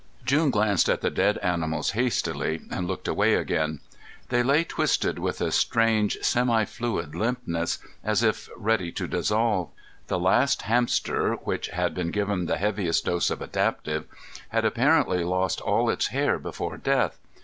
June glanced at the dead animals hastily and looked away again. They lay twisted with a strange semi fluid limpness, as if ready to dissolve. The last hamster, which had been given the heaviest dose of adaptive, had apparently lost all its hair before death.